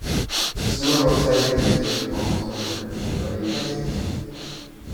Similar websites exist for comments overheard in a variety of places.